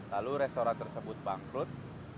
lalu restoran tersebut bangkrut